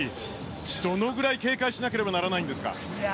どのぐらい警戒しなければならないんですか？